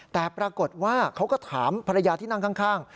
แต่ปรากฏว่าเขาก็ถามภรรยาที่นั่งข้าง